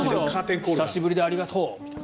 久しぶりでありがとう！みたいな。